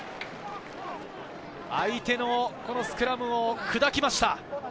相手のスクラムを砕きました。